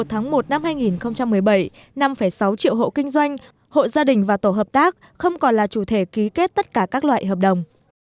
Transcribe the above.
hội gia đình và tổ hợp tác không còn là chủ thể ký kết tất cả các loại hợp đồng